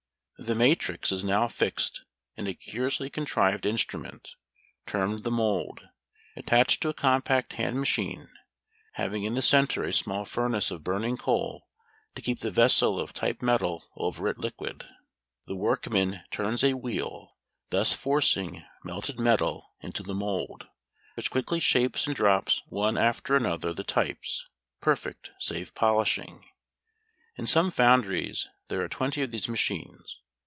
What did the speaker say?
The matrix is now fixed in a curiously contrived instrument, termed the mould, attached to a compact hand machine, having in the centre a small furnace of burning coal to keep the vessel of type metal over it liquid. The workman turns a wheel, thus forcing melted metal into the mould, which quickly shapes and drops one after another the types, perfect, save polishing. In some foundries there are twenty of these machines.